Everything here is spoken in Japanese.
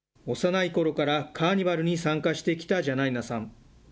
幼いころから、カーニバルに参加してきたジャナイナさん。